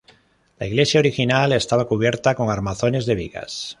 La iglesia original estaba cubierta con armazones de vigas.